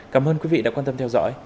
cảm ơn quý vị đã quan tâm theo dõi